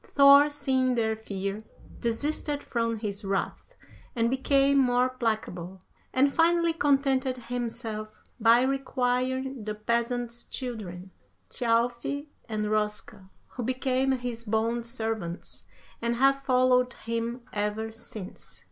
Thor, seeing their fear, desisted from his wrath, and became more placable, and finally contented himself by requiring the peasant's children, Thjalfi and Roska, who became his bond servants, and have followed him ever since.